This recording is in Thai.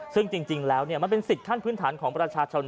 ซึ่งจริงแล้วมันเป็นสิทธิขั้นพื้นฐานของประชาชน